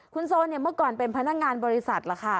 คุณโซนเนี่ยเมื่อก่อนเป็นพนักงานบริษัทล่ะค่ะ